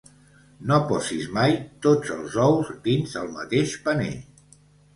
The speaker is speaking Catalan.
No posis mai tots els ous dins el mateix paner.